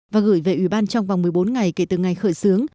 và gửi về ủy ban trong vòng một mươi bốn ngày kể từ ngày khởi xướng